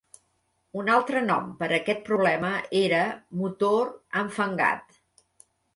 Un altre nom per a aquest problema era "motor enfangat".